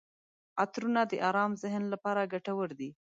عطرونه د ارام ذهن لپاره ګټور دي.